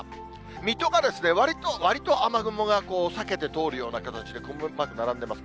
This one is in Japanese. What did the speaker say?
水戸がわりと、わりと雨雲が避けて通るような形で、曇りマーク並んでます。